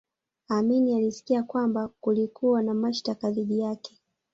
amin alisikia kwamba kulikuwa na mashtaka dhidi yake